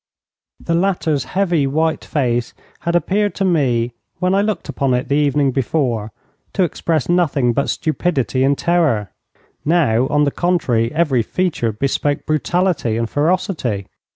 The latter's heavy, white face had appeared to me when I looked upon it the evening before to express nothing but stupidity and terror. Now, on the contrary, every feature bespoke brutality and ferocity.